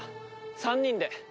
３人で。